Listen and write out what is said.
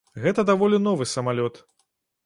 Гэта даволі новы самалёт.